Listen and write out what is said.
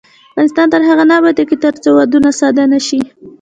افغانستان تر هغو نه ابادیږي، ترڅو ودونه ساده نشي.